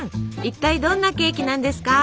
一体どんなケーキなんですか？